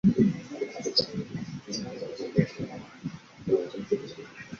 荀采拿出刀子以自己的性命威胁不肯改嫁。